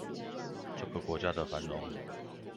這個國家的繁榮